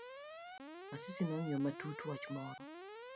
Asisi nong'iyo matut wach moro.